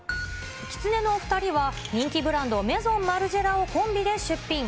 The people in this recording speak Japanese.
きつねのお２人は、人気ブランド、メゾンマルジェラをコンビで出品。